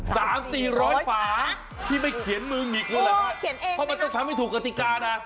หา๔๐๐ฝาที่ไปเขียนมือมิกเลยหรอคะเพราะมันจะทำไม่ถูกกฎิกานะ